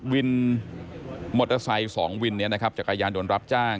วินมอเตอร์ไซค์๒วินจากกายานโดนรับจ้าง